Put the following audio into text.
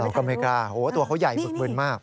ก็ไม่กล้าโอ้โหตัวเขาใหญ่หมึกบึนมาก